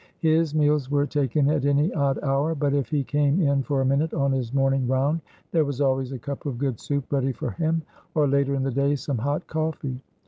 His meals were taken at any odd hour, but if he came in for a minute on his morning round there was always a cup of good soup ready for him, or later in the day some hot coffee.